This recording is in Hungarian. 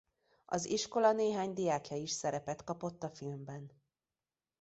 Az iskola néhány diákja is szerepet kapott a filmben.